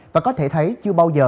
và có thể thấy chưa bao giờ có dự án